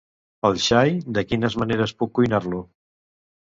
El xai de quines maneres puc cuinar-lo?